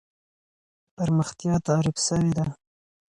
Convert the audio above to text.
پرمختيا تعريف سوې ده.